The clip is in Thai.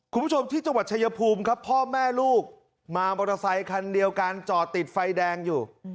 คุณผู้ชมที่จังหวัดชายภูมิครับพ่อแม่ลูกมามอเตอร์ไซคันเดียวกันจอดติดไฟแดงอยู่